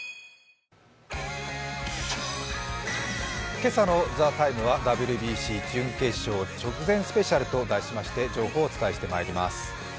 今朝の「ＴＨＥＴＩＭＥ，」は「ＷＢＣ準々決勝直前スペシャル」と題して情報をお伝えしてまいります。